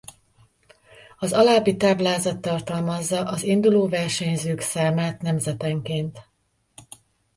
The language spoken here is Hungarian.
Az alábbi táblázat tartalmazza az induló versenyzők számát nemzetenként.